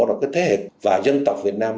rồi cái thế hệ và dân tộc việt nam